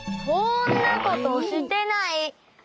そんなことしてない！